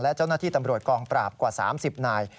และเจ้าหน้าที่ตำรวจกองปราบกว่า๓๐นาย